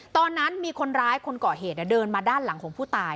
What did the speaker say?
ตอนนั้นมีคนร้ายคนก่อเหตุเดินมาด้านหลังของผู้ตาย